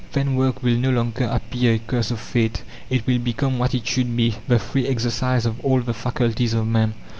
Then work will no longer appear a curse of fate: it will become what it should be the free exercise of all the faculties of man.